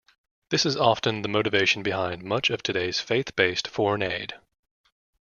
This is often the motivation behind much of today's faith-based foreign aid.